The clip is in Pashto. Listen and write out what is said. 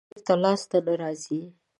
تیر شوی وخت بېرته لاس ته نه راځي.